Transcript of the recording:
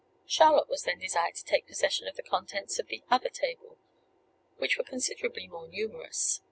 Charlotte was then desired to take possession of the contents of the other table, which were considerably more numerous.